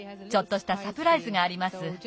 ちょっとしたサプライズがあります。